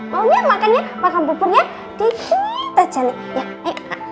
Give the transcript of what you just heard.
mau ya makan ya makan buburnya dikit aja nih